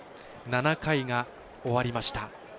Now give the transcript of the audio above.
７回が終わりました。